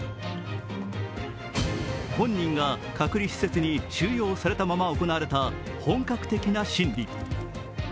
本人が隔離施設に収容されたまま行われた本格的な審理。